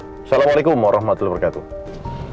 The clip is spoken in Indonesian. assalamualaikum warahmatullahi wabarakatuh